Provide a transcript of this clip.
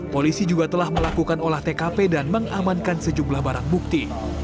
polisi juga telah melakukan olah tkp dan mengamankan sejumlah barang bukti